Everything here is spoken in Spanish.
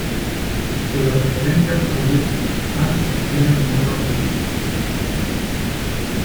En lo referente al proyecto nacional, se abrieron nuevas librerías.